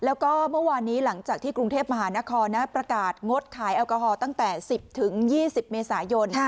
แล้วก็เมื่อวานนี้หลังจากที่กรุงเทพมหานครประกาศงดขายแอลกอฮอลตั้งแต่๑๐๒๐เมษายน